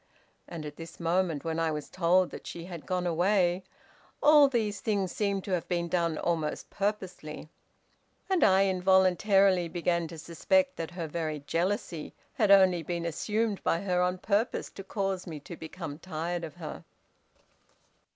And at this moment, when I was told that she had gone away, all these things seemed to have been done almost purposely, and I involuntarily began to suspect that her very jealousy had only been assumed by her on purpose to cause me to become tired of her.